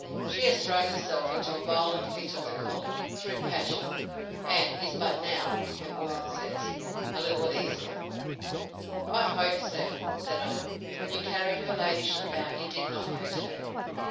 —She has thrown herself into a violent fit of the colic, through passion: And is but now, her woman says, a little easier. I hope, sir, said I, when you carried her ladyship out, you did not hurt her.